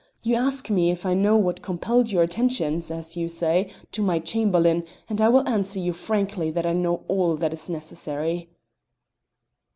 You ask me if I know what compelled your attention (as you say) to my Chamberlain, and I will answer you frankly that I know all that is necessary."